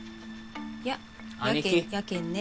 ややけんやけんね。